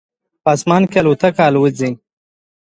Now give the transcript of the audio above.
په اسمان کې الوتکه الوزي